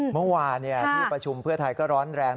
เมื่อวานที่ประชุมเพื่อไทยก็ร้อนแรง